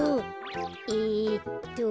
えっと。